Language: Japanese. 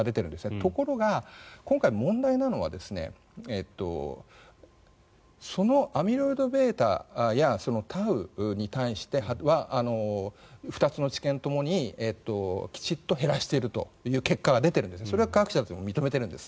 ところが、今回問題なのはそのアミロイドβやタウに対して２つの治験ともにきちんと減らしているという結果が出ていてそれは科学者たちも認めているんです。